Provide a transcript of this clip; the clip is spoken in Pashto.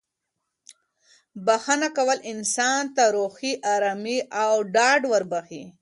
بښنه کول انسان ته روحي ارامي او ډاډ وربښي.